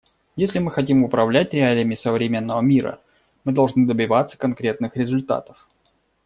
Если мы хотим управлять реалиями современного мира, мы должны добиваться конкретных результатов.